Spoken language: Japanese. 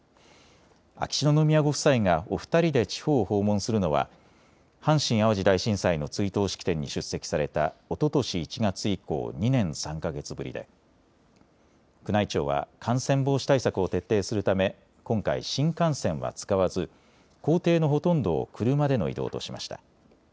秋篠宮ご夫妻がお二人で地方を訪問するのは阪神・淡路大震災の追悼式典に出席されたおととし１月以降、２年３か月ぶりで宮内庁は感染防止対策を徹底するため今回、新幹線は使わず行程のほとんどを車での移動としました。